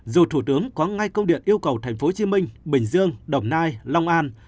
dù thủ tướng có ngay công điện yêu cầu tp hcm bình dương đồng nai long an